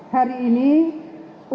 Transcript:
hari ini untuk